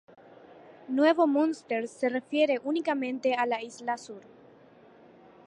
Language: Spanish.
Nuevo Munster se refiere únicamente a la Isla Sur.